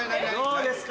どうですか？